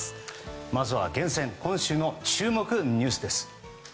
まずは厳選今週の注目ニュースです。